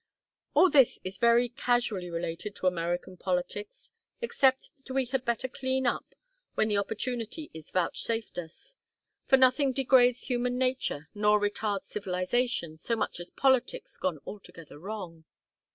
"All this is very casually related to American politics, except that we had better clean up when the opportunity is vouchsafed us; for nothing degrades human nature nor retards civilization so much as politics gone altogether wrong.